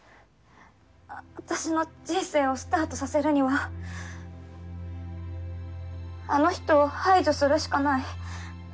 私の人生をスタートさせるにはあの人を排除するしかない。